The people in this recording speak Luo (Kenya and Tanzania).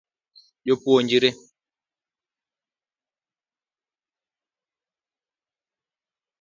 Jopuonjre